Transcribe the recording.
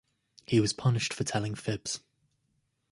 He was punished for telling fibs.